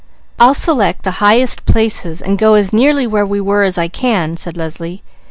"I'll select the highest places and go as nearly where we were as I can," said Leslie.